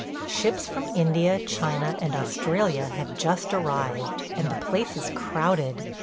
Ships from India, China, and Australia have just arrived, and the place is crowded.